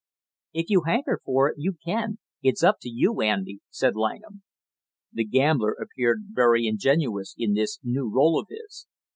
"If you hanker for it, you can; it's up to you, Andy," said Langham. The gambler appeared very ingenuous in this new rôle of his.